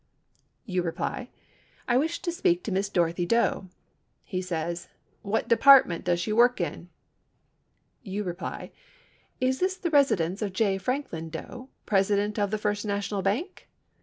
You reply, "I wish to speak to Miss Dorothy Doe." He says, "What department does she work in?" You reply, "Is this the residence of J. Franklin Doe, President of the First National Bank?"